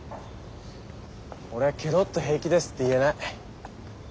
俺ケロッと「平気です」って言えない。